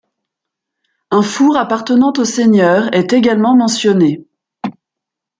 Un four appartenant au seigneur est également mentionné.